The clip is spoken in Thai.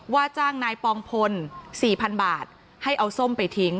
ว่าจ้างนายปองพล๔๐๐๐บาทให้เอาส้มไปทิ้ง